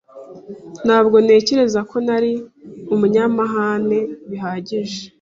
Ntabwo ntekereza ko nari umunyamahane bihagije.